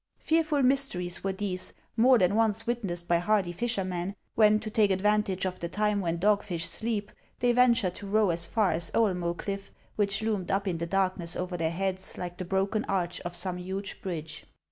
Fearful mvsteries were these, o •/ more than once witnessed by hardy fishermen, when, to take advantage of the time when dogfish sleep,1 they ven tured to row as far as Oelmu> cliff, which loomed up in the darkness over their heads like the broken arch of some huge bridge.